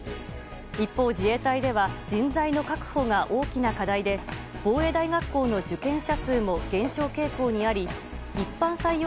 一方、自衛隊では人材の確保が大きな課題で防衛大学校の受験者数も減少傾向にあり一般採用